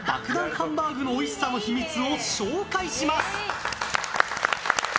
ハンバーグのおいしさの秘密を紹介します。